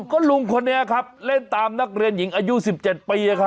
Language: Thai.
ก็ลุงคนนี้ครับเล่นตามนักเรียนหญิงอายุ๑๗ปี